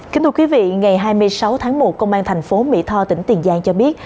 kính thưa quý vị ngày hai mươi sáu tháng một công an thành phố mỹ tho tỉnh tiền giang cho biết